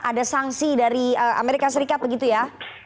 ada sanksi dari amerika serikat begitu ya